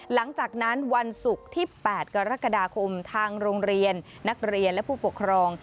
หลังจากนั้นวันศุกร์ที่๘กรกฎาคมทางโรงเรียนนักเรียนและผู้ปกครอง